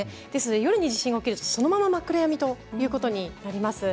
夜に地震が起きるとそのまま真っ暗闇ということになります。